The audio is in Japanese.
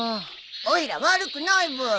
おいら悪くないブー。